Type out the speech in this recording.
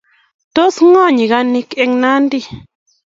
tos ng'o ko nyikonik eng' Nandi?